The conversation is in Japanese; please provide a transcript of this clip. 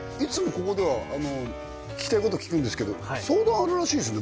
ここでは聞きたいこと聞くんですけど相談あるらしいですね